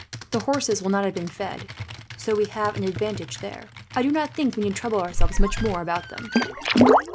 The horses will not have been fed, so we have an advantage there. I do not think we need trouble ourselves much more about them."